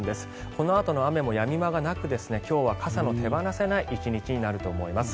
このあとの雨もやみ間がなく今日は傘が手放せない１日になると思います。